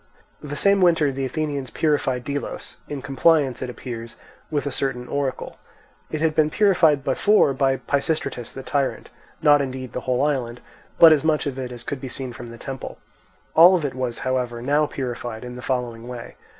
The same winter the Athenians purified Delos, in compliance, it appears, with a certain oracle. It had been purified before by Pisistratus the tyrant; not indeed the whole island, but as much of it as could be seen from the temple. All of it was, however, now purified in the following way.